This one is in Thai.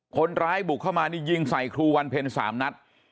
คนร้ายบุกเข้ามานี่ยิงใส่ครูวันเพ็ญ๓นัด